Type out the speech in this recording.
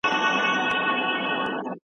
نري نري سکاره مې ژبې ته راځينه